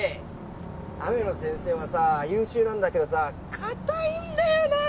雨野先生はさ優秀なんだけどさかたいんだよな！